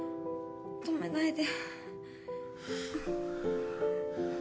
止めないで。